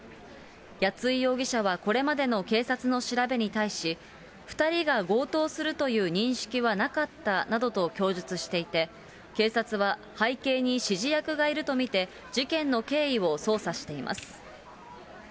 谷井容疑者はこれまでの警察の調べに対し、２人が強盗するという認識はなかったなどと供述していて、警察は、背景に指示役がいると見て、事件の経緯を捜査しています。